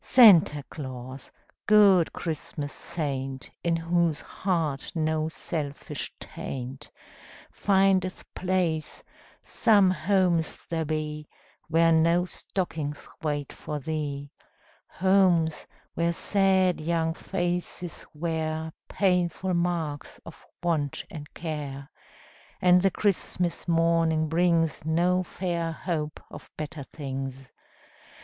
Santa Claus! Good Christmas saint, In whose heart no selfish taint Findeth place, some homes there be Where no stockings wait for thee, Homes where sad young faces wear Painful marks of Want and Care, And the Christmas morning brings No fair hope of better things.